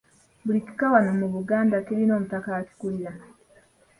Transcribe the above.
Buli kika wano mu Buganda kirina omutaka akikulira.